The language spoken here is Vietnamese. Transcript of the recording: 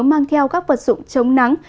mang theo các vật dụng chống nắng